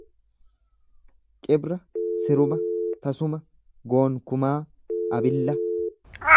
Cibra siruma, tasumaa, goonkumaa, abilla.